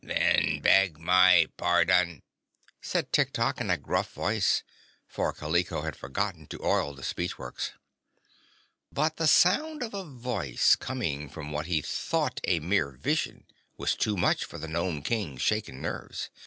"Then beg my pardon," said Tiktok in a gruff voice, for Kaliko had forgotten to oil the speech works. But the sound of a voice coming from what he thought a mere vision was too much for the Nome King's shaken nerves.